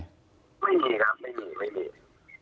ไม่มีครับไม่มีไม่มี